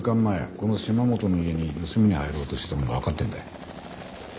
この島本の家に盗みに入ろうとしてたのがわかってるんだよ。